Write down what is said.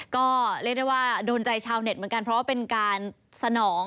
ก็เรียกได้ว่าโดนใจชาวเน็ตเหมือนกันเพราะว่าเป็นการสนอง